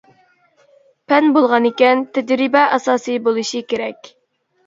پەن بولغانىكەن تەجرىبە ئاساسى بولۇشى كېرەك.